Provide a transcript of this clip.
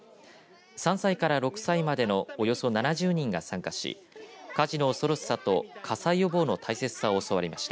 ３歳から６歳までのおよそ７０人が参加し火事の恐ろしさと火災予防の大切さを教わりました。